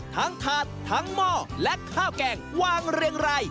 ถาดทั้งหม้อและข้าวแกงวางเรียงไร